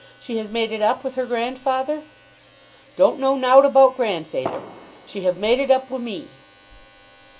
"She has made it up with her grandfather?" "Don't know now't about grandfeyther. She have made it up wi' me.